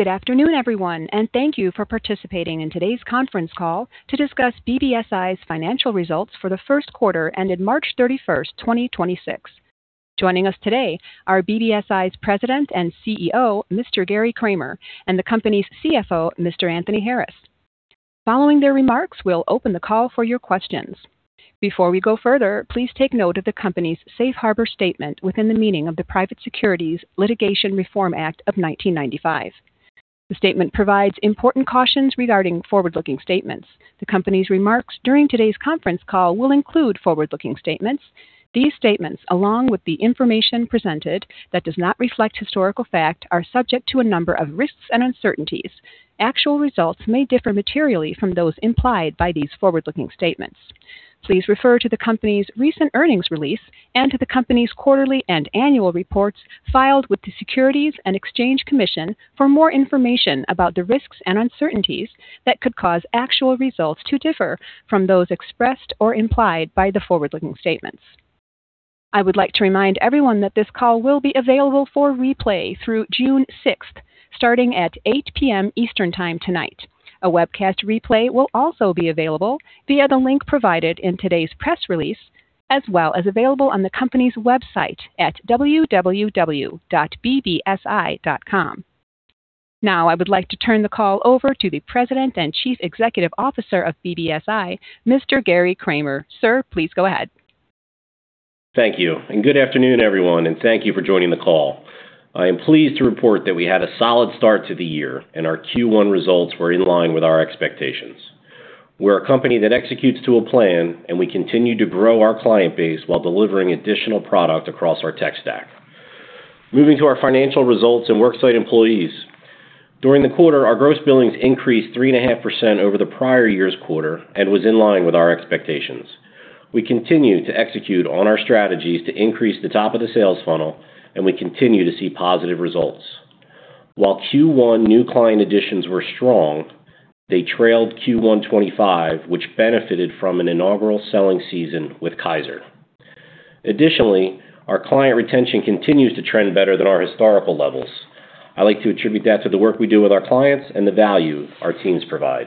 Good afternoon, everyone, thank you for participating in today's conference call to discuss BBSI's financial results for the first quarter ended March 31st, 2026. Joining us today are BBSI's President and CEO, Mr. Gary Kramer, and the company's CFO, Mr. Anthony Harris. Following their remarks, we'll open the call for your questions. Before we go further, please take note of the company's Safe Harbor statement within the meaning of the Private Securities Litigation Reform Act of 1995. The statement provides important cautions regarding forward-looking statements. The company's remarks during today's conference call will include forward-looking statements. These statements, along with the information presented that does not reflect historical fact, are subject to a number of risks and uncertainties. Actual results may differ materially from those implied by these forward-looking statements. Please refer to the company's recent earnings release and to the company's quarterly and annual reports filed with the Securities and Exchange Commission for more information about the risks and uncertainties that could cause actual results to differ from those expressed or implied by the forward-looking statements. I would like to remind everyone that this call will be available for replay through June 6th, starting at 8:00 P.M. Eastern time tonight. A webcast replay will also be available via the link provided in today's press release, as well as available on the company's website at www.bbsi.com. Now, I would like to turn the call over to the President and Chief Executive Officer of BBSI, Mr. Gary Kramer. Sir, please go ahead. Thank you. Good afternoon, everyone, and thank you for joining the call. I am pleased to report that we had a solid start to the year and our Q1 results were in line with our expectations. We're a company that executes to a plan, and we continue to grow our client base while delivering additional product across our tech stack. Moving to our financial results and worksite employees. During the quarter, our gross billings increased 3.5% over the prior year's quarter and was in line with our expectations. We continue to execute on our strategies to increase the top of the sales funnel, and we continue to see positive results. While Q1 new client additions were strong, they trailed Q1 2025, which benefited from an inaugural selling season with Kaiser. Additionally, our client retention continues to trend better than our historical levels. I like to attribute that to the work we do with our clients and the value our teams provide.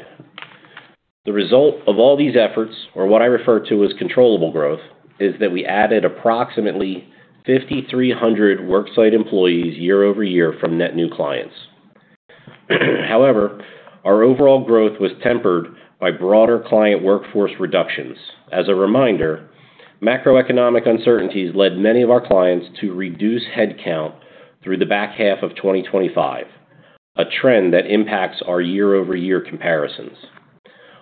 The result of all these efforts, or what I refer to as controllable growth, is that we added approximately 5,300 worksite employees year-over-year from net new clients. However, our overall growth was tempered by broader client workforce reductions. As a reminder, macroeconomic uncertainties led many of our clients to reduce headcount through the back half of 2025, a trend that impacts our year-over-year comparisons.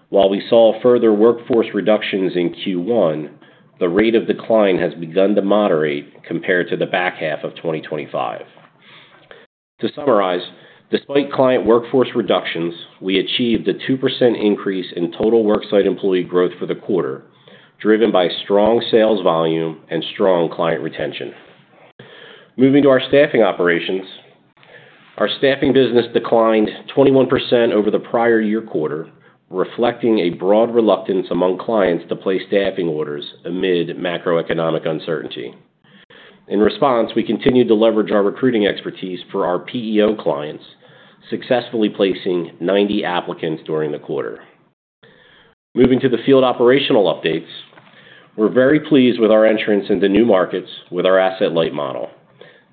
While we saw further workforce reductions in Q1, the rate of decline has begun to moderate compared to the back half of 2025. To summarize, despite client workforce reductions, we achieved a 2% increase in total worksite employee growth for the quarter, driven by strong sales volume and strong client retention. Moving to our staffing operations. Our staffing business declined 21% over the prior year quarter, reflecting a broad reluctance among clients to place staffing orders amid macroeconomic uncertainty. In response, we continued to leverage our recruiting expertise for our PEO clients, successfully placing 90 applicants during the quarter. Moving to the field operational updates. We're very pleased with our entrance into new markets with our asset-light model.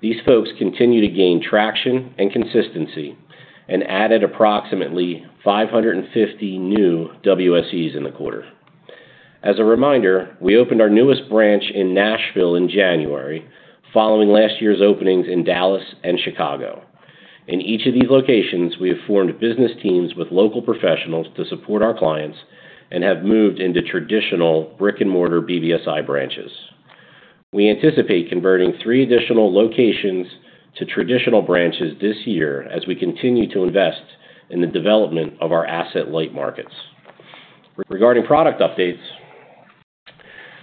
These folks continue to gain traction and consistency and added approximately 550 new WSEs in the quarter. As a reminder, we opened our newest branch in Nashville in January, following last year's openings in Dallas and Chicago. In each of these locations, we have formed business teams with local professionals to support our clients and have moved into traditional brick-and-mortar BBSI branches. We anticipate converting three additional locations to traditional branches this year as we continue to invest in the development of our asset-light markets. Regarding product updates,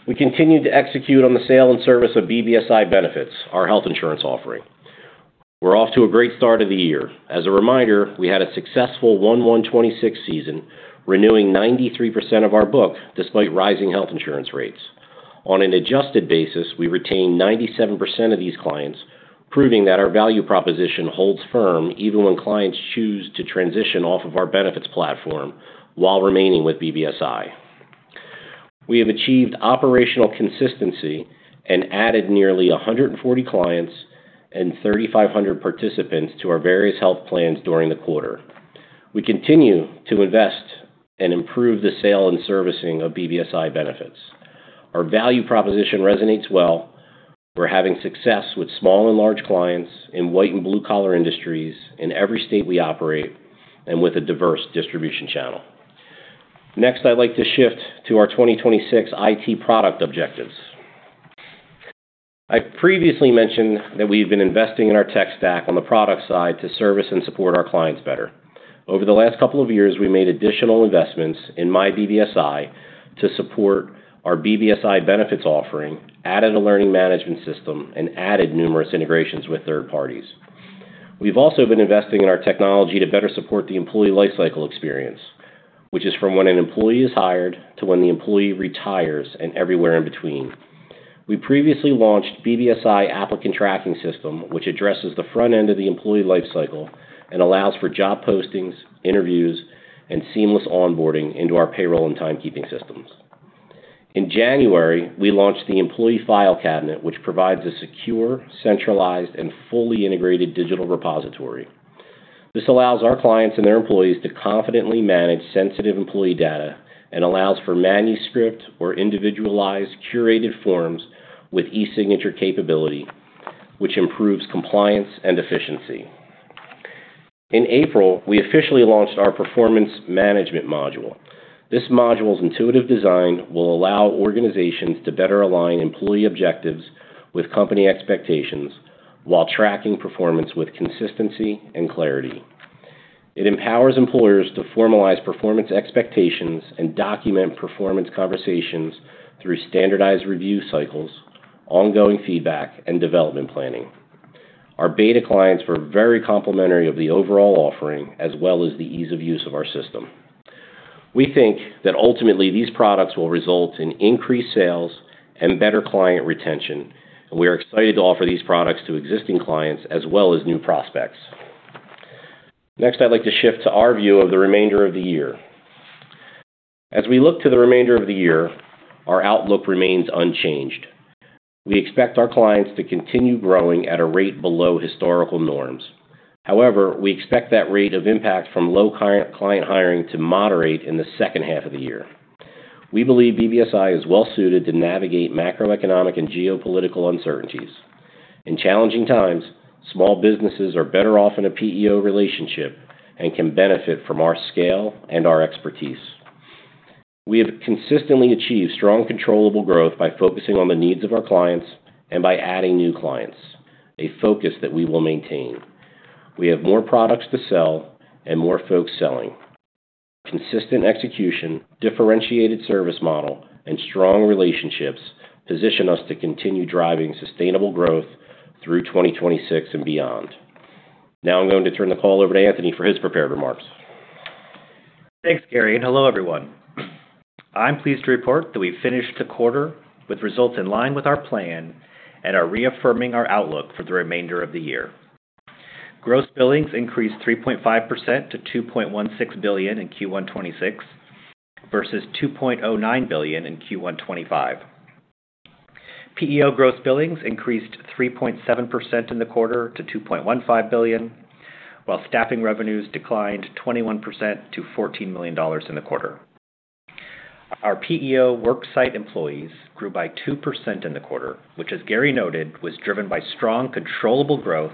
we continued to execute on the sale and service of BBSI Benefits, our health insurance offering. We're off to a great start of the year. As a reminder, we had a successful 1/1/2026 season, renewing 93% of our book despite rising health insurance rates. On an adjusted basis, we retained 97% of these clients, proving that our value proposition holds firm even when clients choose to transition off of our benefits platform while remaining with BBSI. We have achieved operational consistency and added nearly 140 clients and 3,500 participants to our various health plans during the quarter. We continue to invest and improve the sale and servicing of BBSI Benefits. Our value proposition resonates well. We're having success with small and large clients in white and blue-collar industries in every state we operate and with a diverse distribution channel. Next, I'd like to shift to our 2026 IT product objectives. I previously mentioned that we've been investing in our tech stack on the product side to service and support our clients better. Over the last two years, we made additional investments in myBBSI to support our BBSI Benefits offering, added a learning management system, and added numerous integrations with third parties. We've also been investing in our technology to better support the employee lifecycle experience, which is from when an employee is hired to when the employee retires and everywhere in between. We previously launched BBSI Applicant Tracking System, which addresses the front end of the employee life cycle and allows for job postings, interviews, and seamless onboarding into our payroll and timekeeping systems. In January, we launched the Employee File Cabinet, which provides a secure, centralized, and fully integrated digital repository. This allows our clients and their employees to confidently manage sensitive employee data and allows for manuscript or individualized curated forms with e-signature capability, which improves compliance and efficiency. In April, we officially launched our Performance Management module. This module's intuitive design will allow organizations to better align employee objectives with company expectations while tracking performance with consistency and clarity. It empowers employers to formalize performance expectations and document performance conversations through standardized review cycles, ongoing feedback, and development planning. Our beta clients were very complimentary of the overall offering as well as the ease of use of our system. We think that ultimately these products will result in increased sales and better client retention. We are excited to offer these products to existing clients as well as new prospects. Next, I'd like to shift to our view of the remainder of the year. As we look to the remainder of the year, our outlook remains unchanged. We expect our clients to continue growing at a rate below historical norms. However, we expect that rate of impact from low client hiring to moderate in the second half of the year. We believe BBSI is well suited to navigate macroeconomic and geopolitical uncertainties. In challenging times, small businesses are better off in a PEO relationship and can benefit from our scale and our expertise. We have consistently achieved strong, controllable growth by focusing on the needs of our clients and by adding new clients, a focus that we will maintain. We have more products to sell and more folks selling. Consistent execution, differentiated service model, and strong relationships position us to continue driving sustainable growth through 2026 and beyond. I'm going to turn the call over to Anthony for his prepared remarks. Thanks, Gary, and hello, everyone. I'm pleased to report that we finished the quarter with results in line with our plan and are reaffirming our outlook for the remainder of the year. Gross billings increased 3.5% to $2.16 billion in Q1 2026 versus $2.09 billion in Q1 2025. PEO gross billings increased 3.7% in the quarter to $2.15 billion, while staffing revenues declined 21% to $14 million in the quarter. Our PEO worksite employees grew by 2% in the quarter, which as Gary noted, was driven by strong controllable growth,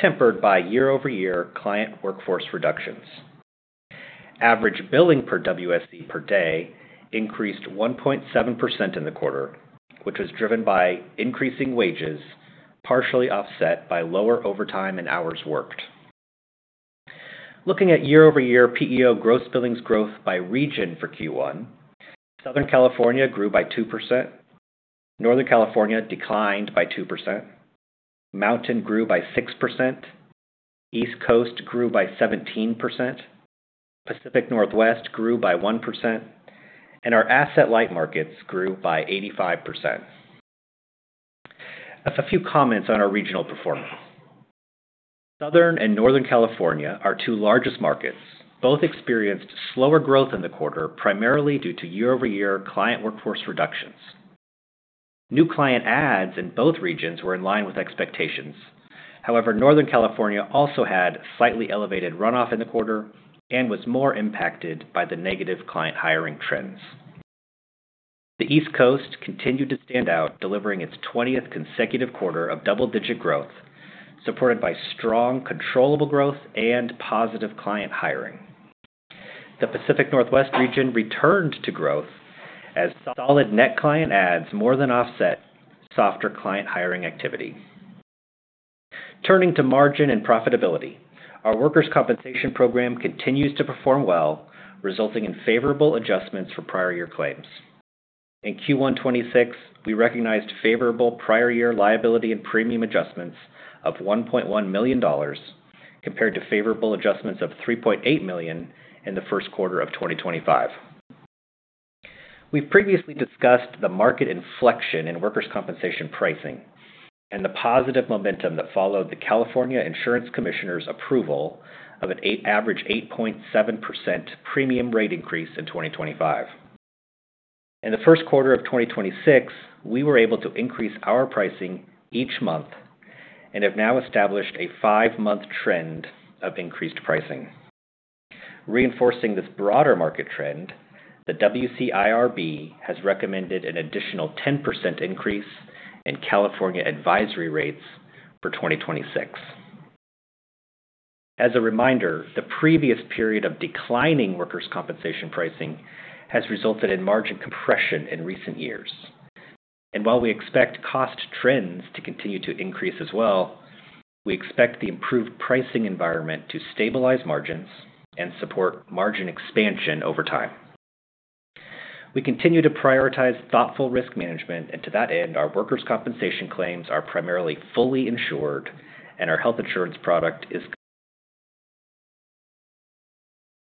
tempered by year-over-year client workforce reductions. Average billing per WSE per day increased 1.7% in the quarter, which was driven by increasing wages, partially offset by lower overtime and hours worked. Looking at year-over-year PEO gross billings growth by region for Q1, Southern California grew by 2%, Northern California declined by 2%, Mountain grew by 6%, East Coast grew by 17%, Pacific Northwest grew by 1%, and our asset-light markets grew by 85%. A few comments on our regional performance. Southern and Northern California, our two largest markets, both experienced slower growth in the quarter, primarily due to year-over-year client workforce reductions. New client adds in both regions were in line with expectations. However, Northern California also had slightly elevated runoff in the quarter and was more impacted by the negative client hiring trends. The East Coast continued to stand out, delivering its 20th consecutive quarter of double-digit growth, supported by strong controllable growth and positive client hiring. The Pacific Northwest region returned to growth as solid net client adds more than offset softer client hiring activity. Turning to margin and profitability. Our workers' compensation program continues to perform well, resulting in favorable adjustments for prior year claims. In Q1 2026, we recognized favorable prior year liability and premium adjustments of $1.1 million compared to favorable adjustments of $3.8 million in the first quarter of 2025. We've previously discussed the market inflection in workers' compensation pricing and the positive momentum that followed the California Insurance Commissioner's approval of an average 8.7% premium rate increase in 2025. In the first quarter of 2026, we were able to increase our pricing each month and have now established a five-month trend of increased pricing. Reinforcing this broader market trend, the WCIRB has recommended an additional 10% increase in California advisory rates for 2026. As a reminder, the previous period of declining workers' compensation pricing has resulted in margin compression in recent years. While we expect cost trends to continue to increase as well, we expect the improved pricing environment to stabilize margins and support margin expansion over time. We continue to prioritize thoughtful risk management. To that end, our workers' compensation claims are primarily fully insured, and our health insurance product is.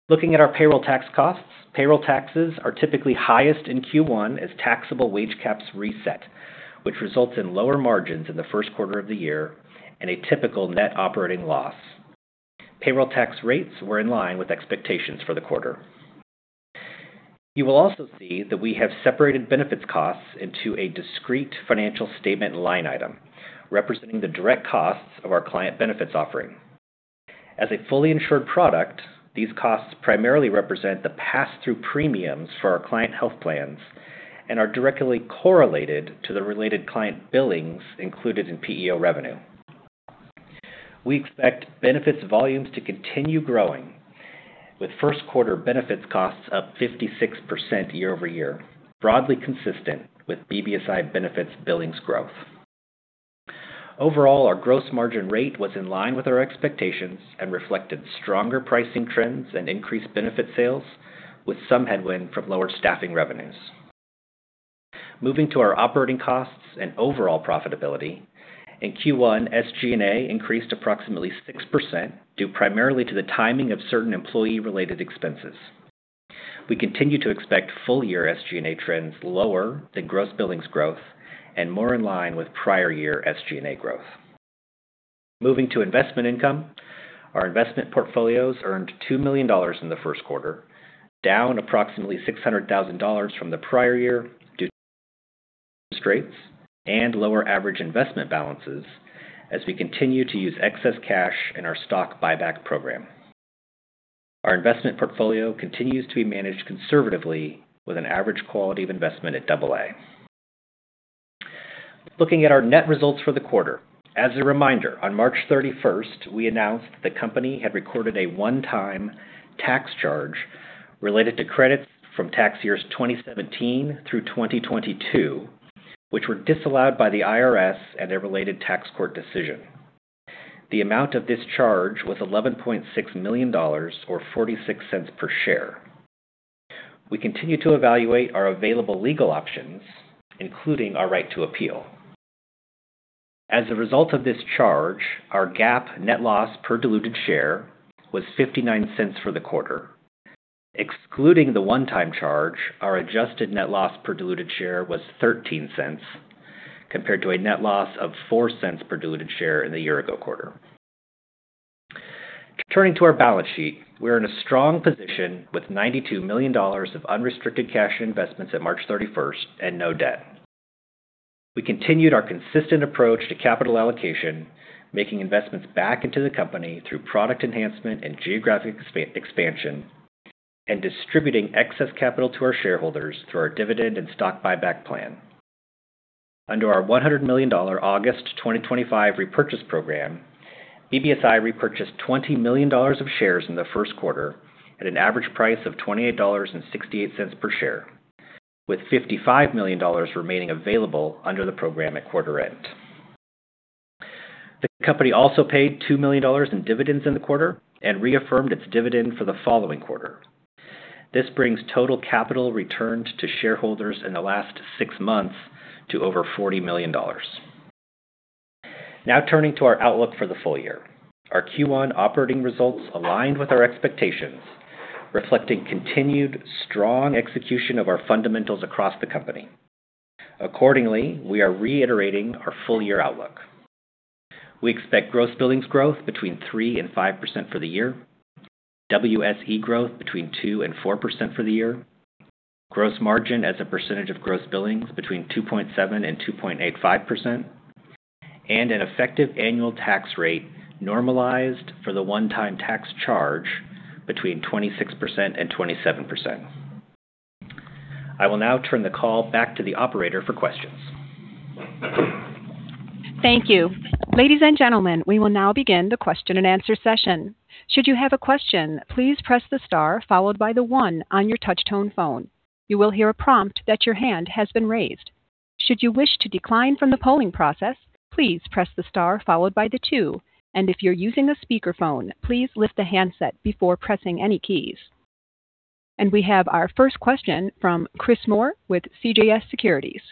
Looking at our payroll tax costs, payroll taxes are typically highest in Q1 as taxable wage caps reset, which results in lower margins in the first quarter of the year and a typical net operating loss. Payroll tax rates were in line with expectations for the quarter. You will also see that we have separated benefits costs into a discrete financial statement line item representing the direct costs of our client benefits offering. As a fully insured product, these costs primarily represent the pass-through premiums for our client health plans and are directly correlated to the related client billings included in PEO revenue. We expect benefits volumes to continue growing with first quarter benefits costs up 56% year-over-year, broadly consistent with BBSI Benefits billings growth. Overall, our gross margin rate was in line with our expectations and reflected stronger pricing trends and increased benefit sales with some headwind from lower staffing revenues. Moving to our operating costs and overall profitability, in Q1, SG&A increased approximately 6% due primarily to the timing of certain employee-related expenses. We continue to expect full-year SG&A trends lower than gross billings growth and more in line with prior year SG&A growth. Moving to investment income, our investment portfolios earned $2 million in the first quarter, down approximately $600,000 from the prior year due to lower interest rates and lower average investment balances as we continue to use excess cash in our stock buyback program. Our investment portfolio continues to be managed conservatively with an average quality of investment at AA. Looking at our net results for the quarter, as a reminder, on March 31st, we announced the company had recorded a one-time tax charge related to credits from tax years 2017 through 2022, which were disallowed by the IRS and their related tax court decision. The amount of this charge was $11.6 million or $0.46 per share. We continue to evaluate our available legal options, including our right to appeal. As a result of this charge, our GAAP net loss per diluted share was $0.59 for the quarter. Excluding the one-time charge, our adjusted net loss per diluted share was $0.13 compared to a net loss of $0.04 per diluted share in the year-ago quarter. Turning to our balance sheet, we are in a strong position with $92 million of unrestricted cash investments at March 31st and no debt. We continued our consistent approach to capital allocation, making investments back into the company through product enhancement and geographic expansion and distributing excess capital to our shareholders through our dividend and stock buyback plan. Under our $100 million August 2025 repurchase program, BBSI repurchased $20 million of shares in the first quarter at an average price of $28.68 per share, with $55 million remaining available under the program at quarter end. The company also paid $2 million in dividends in the quarter and reaffirmed its dividend for the following quarter. This brings total capital returned to shareholders in the last six months to over $40 million. Turning to our outlook for the full-year. Our Q1 operating results aligned with our expectations, reflecting continued strong execution of our fundamentals across the company. Accordingly, we are reiterating our full-year outlook. We expect gross billings growth between 3% and 5% for the year, WSE growth between 2% and 4% for the year, gross margin as a percentage of gross billings between 2.7% and 2.85%, and an effective annual tax rate normalized for the one-time tax charge between 26% and 27%. I will now turn the call back to the operator for questions. Thank you. Ladies and gentlemen, we will now begin the question-and-answer session. Should you have a question, please press the star followed by the one on your touch-tone phone. You will hear a prompt that your hand has been raised. Should you wish to decline from the polling process, please press the star followed by the two. If you're using a speakerphone, please lift the handset before pressing any keys. We have our first question from Chris Moore with CJS Securities.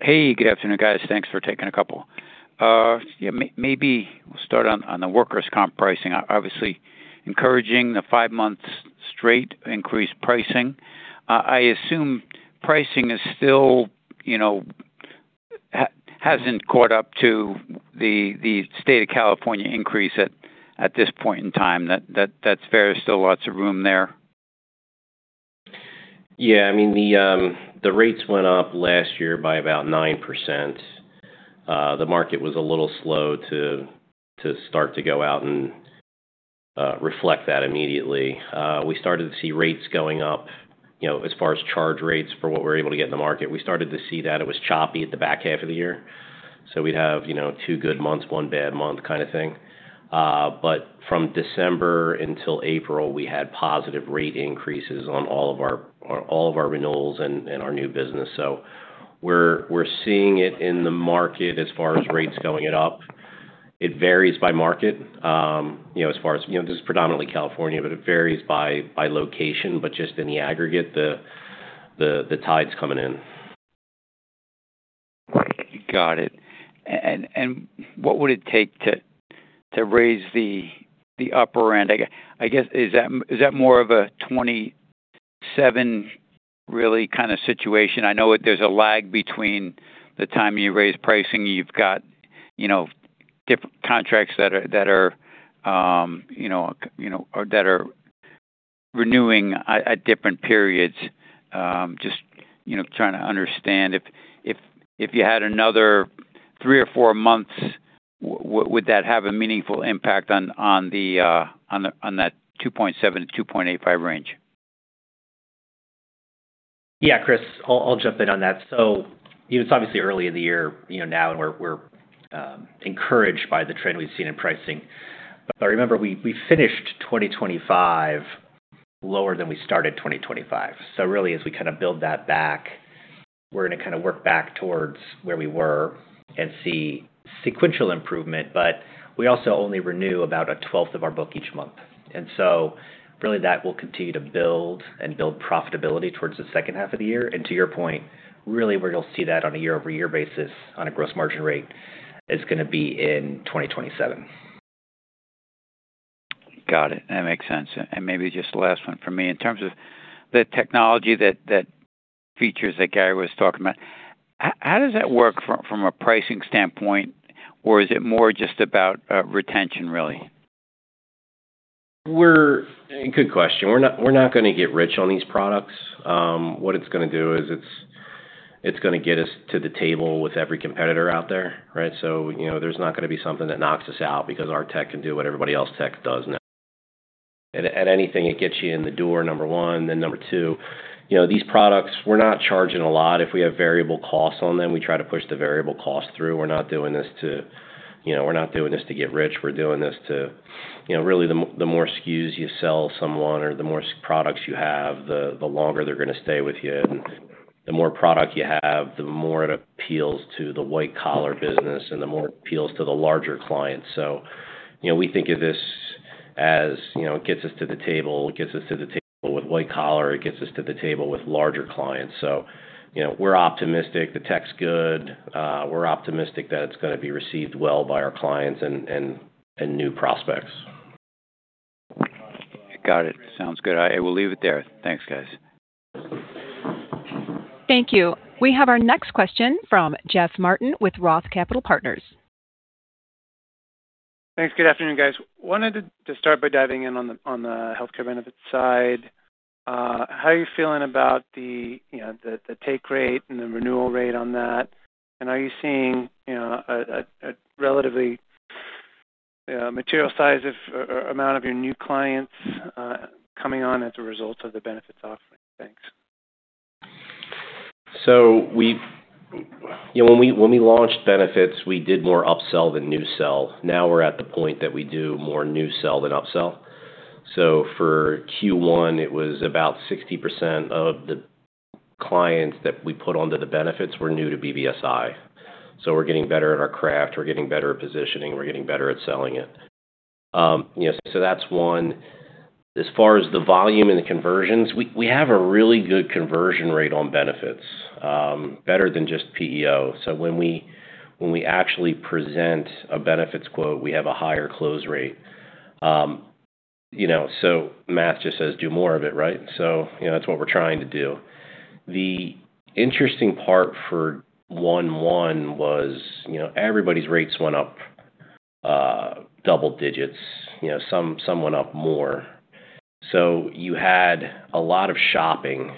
Hey, good afternoon, guys. Thanks for taking a couple. Yeah, maybe we'll start on the workers' compensation pricing. Obviously encouraging the five months straight increased pricing. I assume pricing is still, you know, hasn't caught up to the state of California increase at this point in time. That's fair. There's still lots of room there. Yeah, I mean, the rates went up last year by about 9%. The market was a little slow to start to go out and reflect that immediately. We started to see rates going up as far as charge rates for what we're able to get in the market. We started to see that it was choppy at the back half of the year. We'd have two good months, one bad month kind of thing. But from December until April, we had positive rate increases on all of our renewals and our new business. We're seeing it in the market as far as rates going up. It varies by market. As far as this is predominantly California, but it varies by location. Just in the aggregate, the tide's coming in. Got it. What would it take to raise the upper end? I guess, is that, is that more of a 27% really kind of situation? I know that there's a lag between the time you raise pricing. You've got, you know, contracts that are, that are, you know, you know, or that are renewing at different periods. Just, you know, trying to understand if, if you had another three or four months, would that have a meaningful impact on the, on the, on that $2.7-$2.85 range? Yeah, Chris, I'll jump in on that. You know, it's obviously early in the year, you know, now, and we're encouraged by the trend we've seen in pricing. Remember, we finished 2025 lower than we started 2025. Really, as we kind of build that back, we're gonna kind of work back towards where we were and see sequential improvement. We also only renew about a twelfth of our book each month. Really that will continue to build and build profitability towards the second half of the year. To your point, really where you'll see that on a year-over-year basis on a gross margin rate is gonna be in 2027. Got it. That makes sense. Maybe just the last one from me. In terms of the technology that features that Gary was talking about, how does that work from a pricing standpoint? Is it more just about retention, really? Good question. We're not gonna get rich on these products. What it's gonna do is it's gonna get us to the table with every competitor out there, right? You know, there's not gonna be something that knocks us out because our tech can do what everybody else tech does now. At anything, it gets you in the door, number one. Number two, you know, these products, we're not charging a lot. If we have variable costs on them, we try to push the variable cost through. We're not doing this to, you know, get rich. We're doing this to, you know, really, the more SKUs you sell someone or the more products you have, the longer they're gonna stay with you. The more product you have, the more it appeals to the white collar business, and the more it appeals to the larger clients. You know, we think of this as, you know, it gets us to the table, it gets us to the table with white collar, it gets us to the table with larger clients. You know, we're optimistic. The tech's good. We're optimistic that it's gonna be received well by our clients and new prospects. Got it. Sounds good. I will leave it there. Thanks, guys. Thank you. We have our next question from Jeff Martin with Roth Capital Partners. Thanks. Good afternoon, guys. Wanted to start by diving in on the healthcare benefits side. How are you feeling about the, you know, the take rate and the renewal rate on that? Are you seeing, you know, a relatively material size of or amount of your new clients coming on as a result of the benefits offering? Thanks. You know, when we, when we launched benefits, we did more upsell than new sell. Now we're at the point that we do more new sell than upsell. For Q1, it was about 60% of the clients that we put onto the benefits were new to BBSI. We're getting better at our craft. We're getting better at positioning. We're getting better at selling it. You know, that's one. As far as the volume and the conversions, we have a really good conversion rate on benefits, better than just PEO. When we actually present a benefits quote, we have a higher close rate. You know, math just says do more of it, right? You know, that's what we're trying to do. The interesting part for one one was, you know, everybody's rates went up, double digits. You know, some went up more. You had a lot of shopping,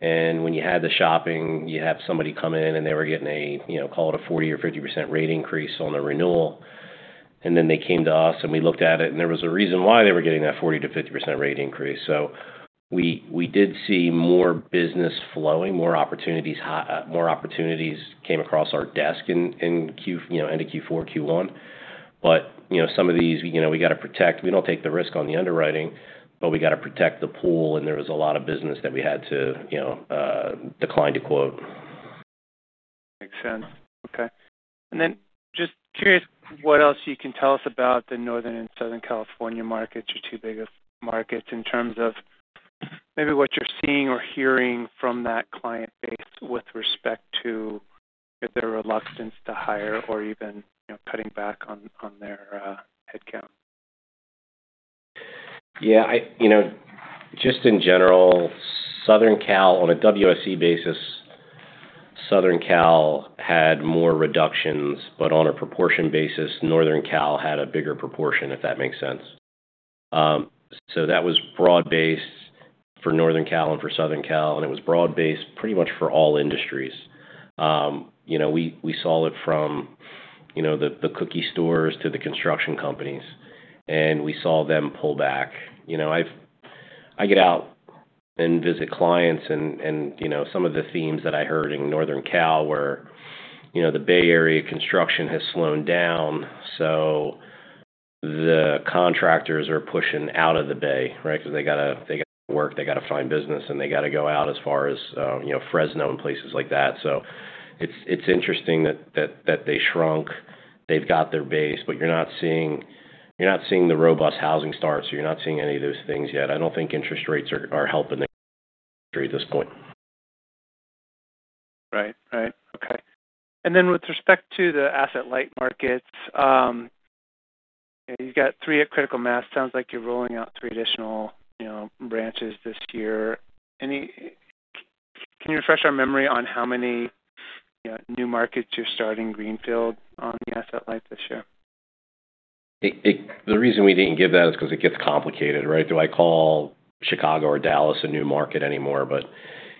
and when you had the shopping, you have somebody come in, and they were getting, you know, call it a 40% or 50% rate increase on the renewal. They came to us, and we looked at it, and there was a reason why they were getting that 40% to 50% rate increase. We did see more business flowing, more opportunities, more opportunities came across our desk in, you know, end of Q4, Q1. You know, some of these, you know, we gotta protect. We don't take the risk on the underwriting, we gotta protect the pool, there was a lot of business that we had to, you know, decline to quote. Makes sense. Okay. Just curious what else you can tell us about the Northern and Southern California markets, your two biggest markets, in terms of maybe what you're seeing or hearing from that client base with respect to if their reluctance to hire or even, you know, cutting back on their headcount. You know, just in general, Southern Cal on a WSE basis, Southern Cal had more reductions, but on a proportion basis, Northern Cal had a bigger proportion, if that makes sense. That was broad-based for Northern Cal and for Southern Cal, and it was broad-based pretty much for all industries. You know, we saw it from, you know, the cookie stores to the construction companies, and we saw them pull back. You know, I get out and visit clients and, you know, some of the themes that I heard in Northern Cal were, you know, the Bay Area construction has slowed down, the contractors are pushing out of the Bay, right? Cause they gotta work, they gotta find business, and they gotta go out as far as, you know, Fresno and places like that. It's interesting that they shrunk. They've got their base, but you're not seeing the robust housing starts. You're not seeing any of those things yet. I don't think interest rates are helping it. At this point. Right. Right. Okay. Then with respect to the asset-light markets, you've got three at critical mass. Sounds like you're rolling out three additional, you know, branches this year. Can you refresh our memory on how many, you know, new markets you're starting greenfield on the asset-light this year? The reason we didn't give that is 'cause it gets complicated, right? Do I call Chicago or Dallas a new market anymore?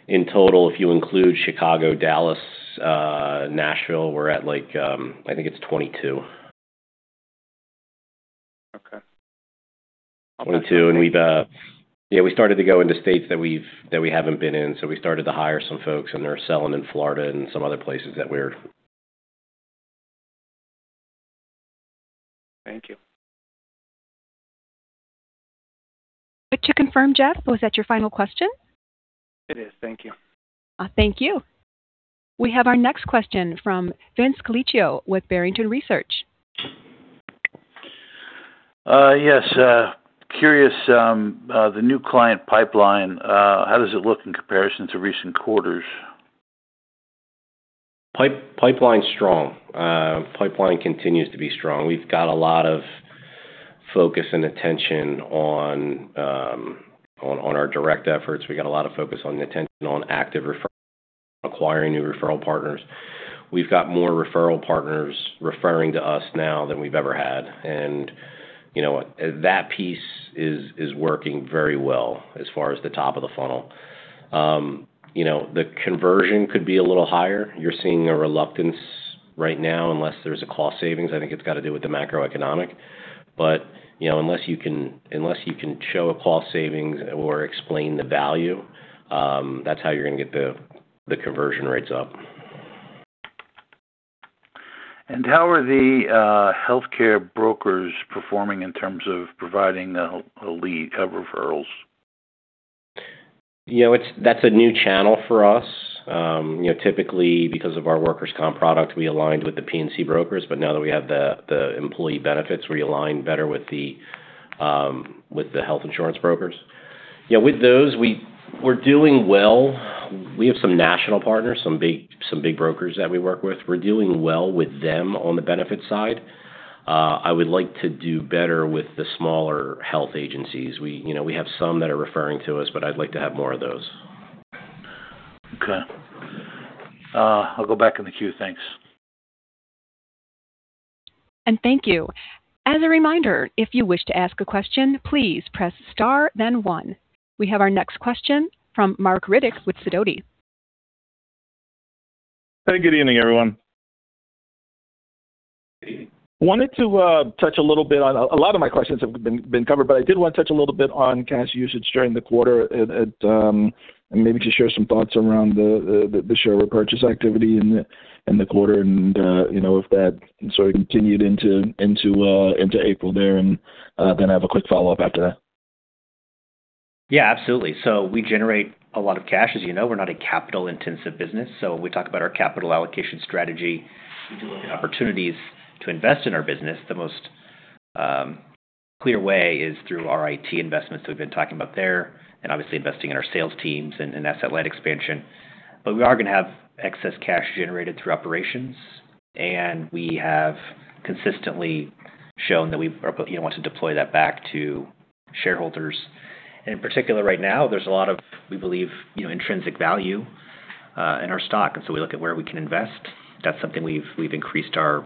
In total, if you include Chicago, Dallas, Nashville, we're at, like, I think it's 22. Okay. 22. Yeah, we started to go into states that we haven't been in, so we started to hire some folks, and they're selling in Florida and some other places that we're. Thank you. To confirm, Jeff, was that your final question? It is. Thank you. Thank you. We have our next question from Vince Colicchio with Barrington Research. Yes. Curious, the new client pipeline, how does it look in comparison to recent quarters? Pipeline's strong. Pipeline continues to be strong. We've got a lot of focus and attention on our direct efforts. We got a lot of focus on the attention on active referral, acquiring new referral partners. We've got more referral partners referring to us now than we've ever had. You know, that piece is working very well as far as the top of the funnel. You know, the conversion could be a little higher. You're seeing a reluctance right now unless there's a cost savings. I think it's got to do with the macroeconomic. You know, unless you can show a cost savings or explain the value, that's how you're gonna get the conversion rates up. How are the healthcare brokers performing in terms of providing the lead, referrals? You know, that's a new channel for us. You know, typically, because of our workers' comp product, we aligned with the P&C brokers. Now that we have the employee benefits, we align better with the health insurance brokers. Yeah, with those, we're doing well. We have some national partners, some big brokers that we work with. We're doing well with them on the benefits side. I would like to do better with the smaller health agencies. We, you know, we have some that are referring to us, but I'd like to have more of those. Okay. I'll go back in the queue. Thanks. Thank you. As a reminder, if you wish to ask a question, please press star then one. We have our next question from Marc Riddick with Sidoti. Hey, good evening, everyone. Wanted to touch a little bit on. A lot of my questions have been covered, but I did want to touch a little bit on cash usage during the quarter and maybe just share some thoughts around the share repurchase activity in the quarter, you know, if that sort of continued into April there. Then I have a quick follow-up after that. Absolutely. We generate a lot of cash. As you know, we're not a capital-intensive business. When we talk about our capital allocation strategy, we do look at opportunities to invest in our business. The most clear way is through our IT investments we've been talking about there, and obviously investing in our sales teams and asset-light expansion. We are gonna have excess cash generated through operations, and we have consistently shown that we, you know, want to deploy that back to shareholders. In particular, right now, there's a lot of, we believe, you know, intrinsic value in our stock, and so we look at where we can invest. That's something we've increased our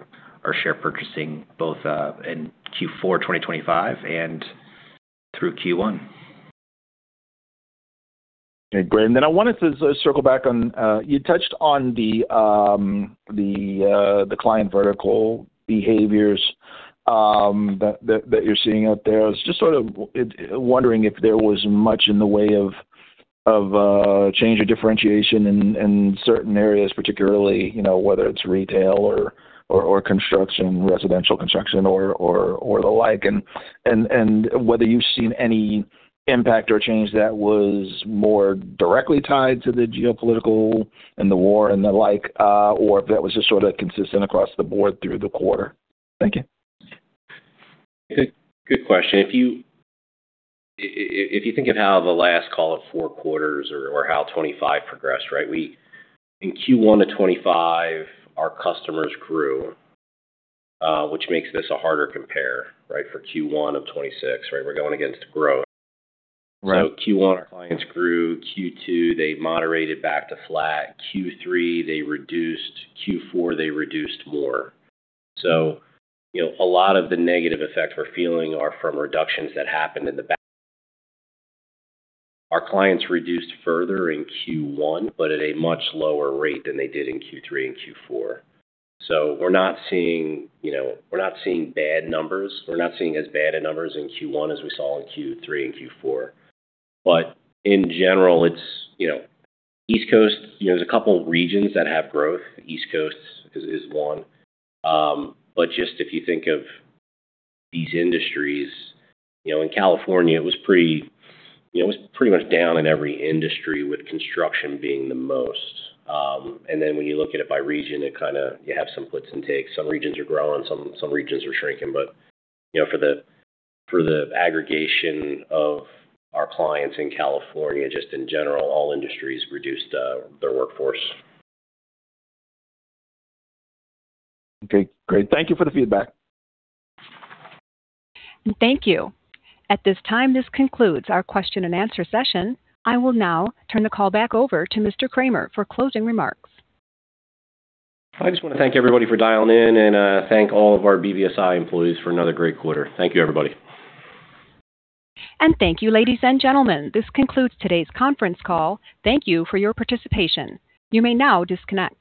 share purchasing both in Q4 2025 and through Q1. Okay, great. I wanted to circle back on, you touched on the client vertical behaviors that you're seeing out there. I was just sort of wondering if there was much in the way of change or differentiation in certain areas, particularly, you know, whether it's retail or construction, residential construction or the like. Whether you've seen any impact or change that was more directly tied to the geopolitical and the war and the like, or if that was just sort of consistent across the board through the quarter. Thank you. Good, good question. If you think of how the last, call it four quarters or how 2025 progressed, right. In Q1 of 2025, our customers grew, which makes this a harder compare, right. For Q1 of 2026, right, we're going against growth. Right. Q1, our clients grew. Q2, they moderated back to flat. Q3, they reduced. Q4, they reduced more. You know, a lot of the negative effects we're feeling are from reductions that happened in the back. Our clients reduced further in Q1, but at a much lower rate than they did in Q3 and Q4. We're not seeing, you know, we're not seeing bad numbers. We're not seeing as bad of numbers in Q1 as we saw in Q3 and Q4. In general, it's, you know East Coast, you know, there's a couple of regions that have growth. East Coast is one. Just if you think of these industries, you know, in California, it was pretty, you know, it was pretty much down in every industry, with construction being the most. When you look at it by region, you have some gives and takes. Some regions are growing, some regions are shrinking. You know, for the aggregation of our clients in California, just in general, all industries reduced their workforce. Okay, great. Thank you for the feedback. Thank you. At this time, this concludes our question and answer session. I will now turn the call back over to Mr. Kramer for closing remarks. I just want to thank everybody for dialing in and thank all of our BBSI employees for another great quarter. Thank you, everybody. Thank you, ladies and gentlemen. This concludes today's conference call. Thank you for your participation. You may now disconnect.